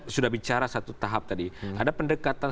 sudah bicara satu tahap tadi ada pendekatan